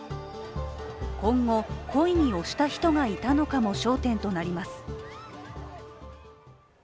今後、故意に押した人がいたのかも焦点となります。